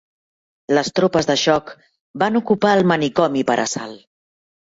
Les tropes de xoc van ocupar el manicomi per assalt